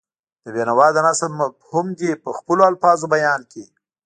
د بېنوا د نثر مفهوم دې په خپلو الفاظو بیان کړي.